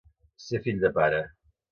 Ser fill de pare.